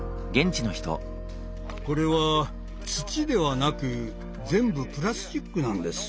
これは土ではなく全部プラスチックなんです。